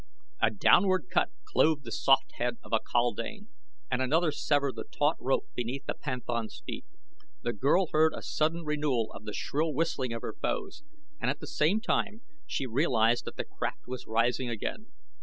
A downward cut clove the soft head of a kaldane, and another severed the taut rope beneath the panthan's feet. The girl heard a sudden renewal of the shrill whistling of her foes, and at the same time she realized that the craft was rising again.